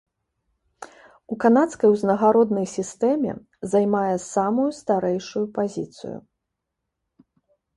У канадскай узнагароднай сістэме займае самую старэйшую пазіцыю.